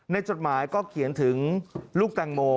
จดหมายก็เขียนถึงลูกแตงโม